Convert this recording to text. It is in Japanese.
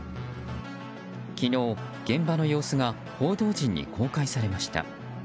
昨日、現場の様子が報道陣に公開されました。